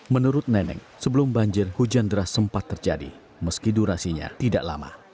menurut neneng sebelum banjir hujan deras sempat terjadi meski durasinya tidak lama